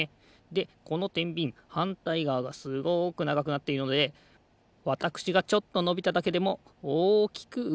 でこのてんびんはんたいがわがすごくながくなっているのでわたくしがちょっとのびただけでもおおきくうごくと。